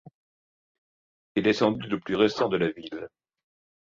Il est sans doute le plus récent de la ville.